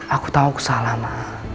aku tahu aku salah ma